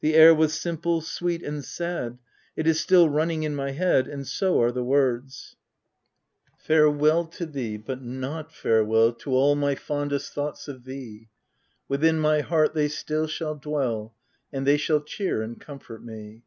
The air was simple, sweet, OP WILDFELL HALL. 349 and sad, it is still running in my head, — and so are the words :—" Farewell to thee ! but not farewell To all my fondest thoughts of thee : Within my heart they still shall dwell ; And they shall cheer and comfort me.